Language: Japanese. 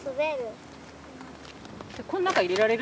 この中入れられる？